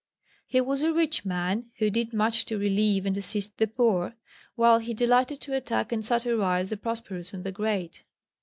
He was a rich man, who did much to relieve and assist the poor, while he delighted to attack and satirise the prosperous and the great.